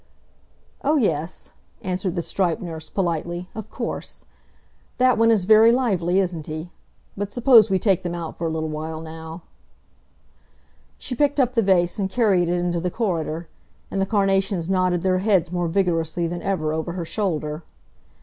"Oh, yes," answered the striped nurse, politely, "of course. That one is very lively, isn't he? But suppose we take them out for a little while now." She picked up the vase and carried it into the corridor, and the carnations nodded their heads more vigorously than ever over her shoulder.